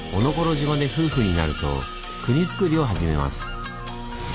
島で夫婦になると国づくりを始めます。